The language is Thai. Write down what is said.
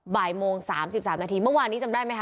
บ่ายโมง๓๓นาทีเมื่อวานนี้จำได้ไหมค